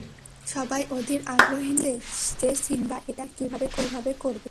সবাই অধীর আগ্রহ নিয়ে দেখছে যে সিম্বা এটা কিভাবে করবে।